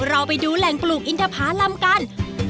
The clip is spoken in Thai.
เราไปดูแหล่งปลูกอินทภารำกัน